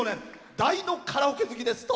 大のカラオケ好きです。